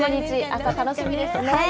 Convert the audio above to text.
朝楽しみですね。